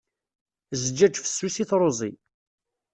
Zzǧaǧ fessus i truẓi.